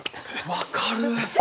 分かる！